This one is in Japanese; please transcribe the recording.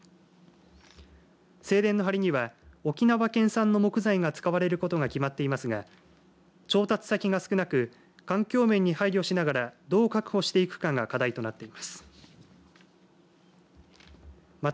正殿のはりには沖縄県産の木材が使われることが決まっていますが調達先が少なく環境面に配慮しながらどう確保していくかが課題となっています。